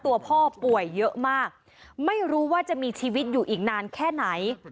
ตัวพ่อป่วยเยอะมากไม่รู้ว่าจะมีชีวิตอยู่อีกนานแค่ไหน